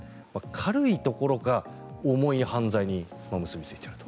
軽いところが重い犯罪に結びついていると。